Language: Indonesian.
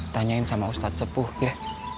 tanyain sama ustadz sepuh ya